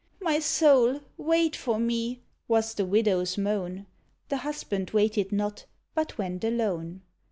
"My soul, wait for me!" was the Widow's moan. The husband waited not, but went alone.